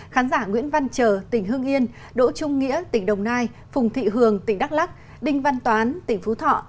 khán giả nguyễn văn trờ tỉnh hưng yên đỗ trung nghĩa tỉnh đồng nai phùng thị hường tỉnh đắk lắc đinh văn toán tỉnh phú thọ